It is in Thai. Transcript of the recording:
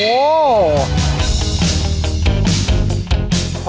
โอ้โห